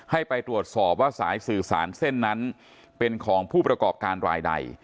ให้ไปตรวจสอบว่าสายสื่อสารเส้นนั้นเป็นของผู้ประกอบการรายใด